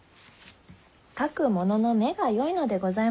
描く者の目がよいのでございましょう。